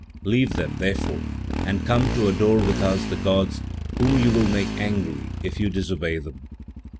"Leave them, therefore, and come to adore with us the gods, whom you will make angry if you disobey them."